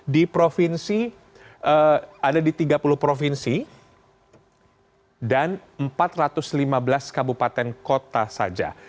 di provinsi ada di tiga puluh provinsi dan empat ratus lima belas kabupaten kota saja